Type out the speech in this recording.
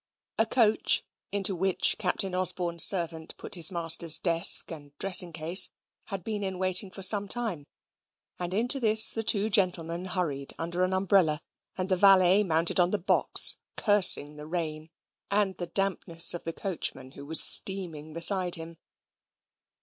A coach, into which Captain Osborne's servant put his master's desk and dressing case, had been in waiting for some time; and into this the two gentlemen hurried under an umbrella, and the valet mounted on the box, cursing the rain and the dampness of the coachman who was steaming beside him.